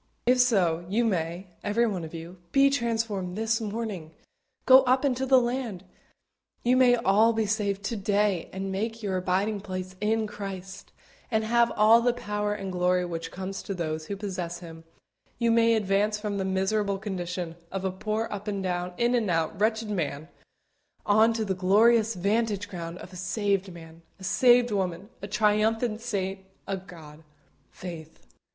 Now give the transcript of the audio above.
If so, you may, everyone of you, be transformed this morning go up into the land. You may all be saved to day, and make your abiding place in Christ, and have all the power and glory which comes to those who possess Him; you may advance from the miserable condition of a poor up and down, in and out, wretched man, on to the glorious vantage ground of a saved man a saved woman a triumphant saint of God! FAITH.